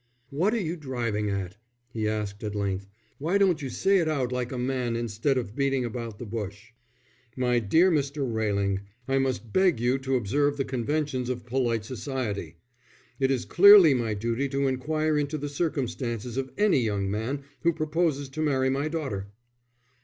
"What are you driving at?" he asked, at length. "Why don't you say it out like a man, instead of beating about the bush?" "My dear Mr. Railing, I must beg you to observe the conventions of polite society. It is clearly my duty to inquire into the circumstances of any young man who proposes to marry my daughter."